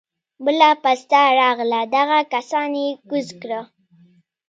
بله پسته راغله دغه کسان يې کوز کړه.